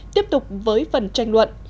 tiếp tục với phần tranh luận